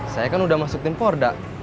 saya kan udah masuk tim porda